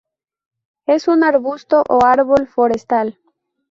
Es un arbusto o árbol forestal.